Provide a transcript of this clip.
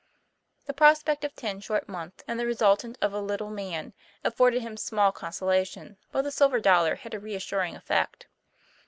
The prospect of ten short months, and the result ant of a little man afforded him small consolation, but the silver dollar had a reassuring effect.